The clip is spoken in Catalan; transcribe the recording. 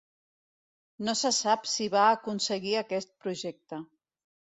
No se sap si van aconseguir aquest projecte.